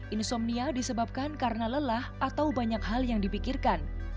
insomnia disebabkan karena lelah atau banyak hal yang dipikirkan